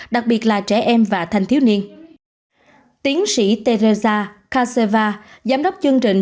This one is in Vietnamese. đặc biệt là trẻ em và thanh thiếu niên tiến sĩ teresa kaseva giám đốc chương trình